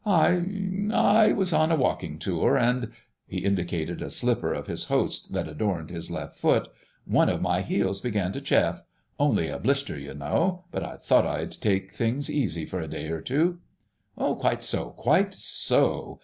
"I—I was on a walking tour, and"—he indicated a slipper of his host's that adorned his left foot—"one of my heels began to chafe—only a blister, you know; but I thought I'd take things easy for a day or two.... "Quite so, quite so.